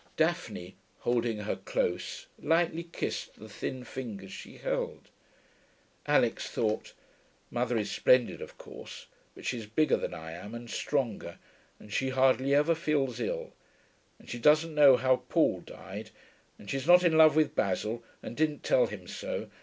Daphne, holding her close, lightly kissed the thin fingers she held. Alix thought, 'Mother is splendid, of course. But she's bigger than I am, and stronger, and she hardly ever feels ill, and she doesn't know how Paul died, and she's not in love with Basil and didn't tell him so.